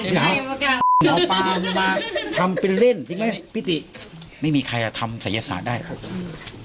พี่ขาวหนอปลามาทำเป็นเล่นจริงไหมพี่ติไม่มีใครทำสัยศาสตร์ได้อืม